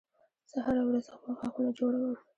زه هره ورځ خپل غاښونه جوړوم